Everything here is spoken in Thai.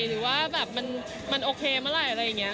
หรือว่าแบบมันโอเคเมื่อไหร่อะไรอย่างนี้